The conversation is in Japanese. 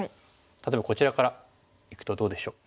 例えばこちらからいくとどうでしょう？